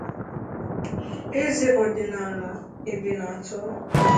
eze ọdịnala Ebenator